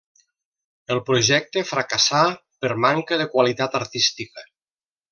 El projecte fracassà per manca de qualitat artística.